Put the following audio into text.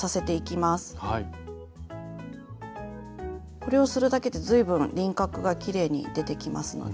これをするだけで随分輪郭がきれいに出てきますので。